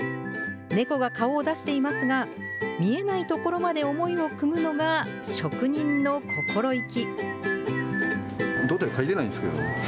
猫が顔を出していますが、見えないところまで思いをくむのが職人の心意気。